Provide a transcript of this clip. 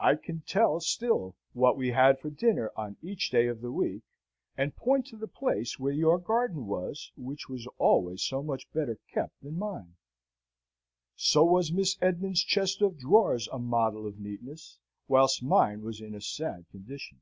I can tell still what we had for dinner on each day of the week, and point to the place where your garden was, which was always so much better kept than mine. So was Miss Esmond's chest of drawers a model of neatness, whilst mine were in a sad condition.